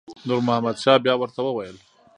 نور محمد شاه بیا ورته وویل.